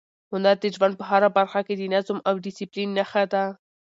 هنر د ژوند په هره برخه کې د نظم او ډیسپلین نښه ده.